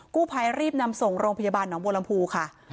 กู้ภัยรีบนำส่งโรงพยาบาลหนองบัวลำพูค่ะ